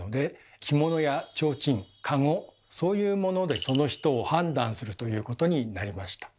着物やちょうちんかごそういうものでその人を判断するということになりました。